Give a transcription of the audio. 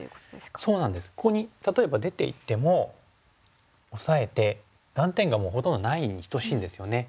ここに例えば出ていってもオサえて断点がもうほとんどないに等しいんですよね。